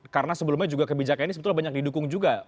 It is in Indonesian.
karena sebelumnya juga kebijakan ini sebetulnya banyak didukung juga